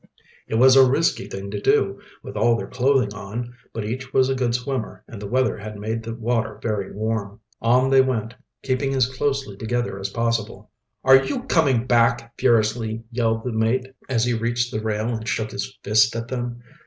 It was a risky thing to do, with all their clothing on, but each was a good swimmer and the weather had made the water very warm. On they went, keeping as closely together as possible. "Are you coming back?" furiously yelled the mate, as he reached the rail and shook his fist at them.